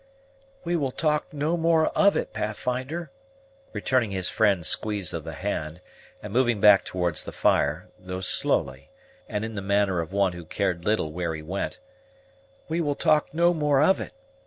"We will talk no more of it, Pathfinder," said Jasper, returning his friend's squeeze of the hand, and moving back towards the fire, though slowly, and in the manner of one who cared little where he went; "we will talk no more of it.